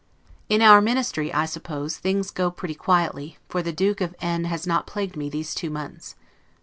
In our Ministry, I suppose, things go pretty quietly, for the D. of N. has not plagued me these two months.